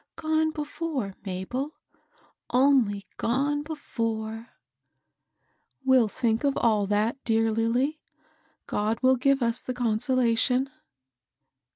— gone before, Mabel ; only gone before !'*" We'll thmk of all that, dear Lilly. God will give us the consolation."